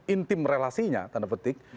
intim relasinya tanda petik